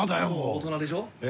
大人でしょ？へ。